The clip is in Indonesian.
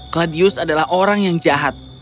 cladius adalah orang yang jahat